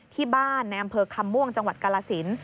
ที่บ้านในอำเภอคำม่วงจังหวัดกาลสิน